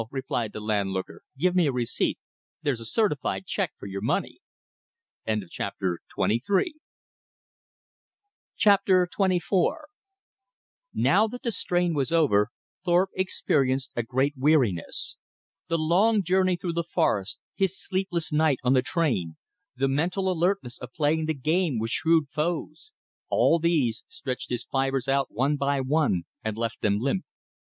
"No," replied the landlooker. "Give me a receipt. There's a certified check for your money!" Chapter XXIV Now that the strain was over, Thorpe experienced a great weariness. The long journey through the forest, his sleepless night on the train, the mental alertness of playing the game with shrewd foes all these stretched his fibers out one by one and left them limp.